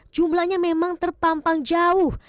jumlahnya memang terpampang jauh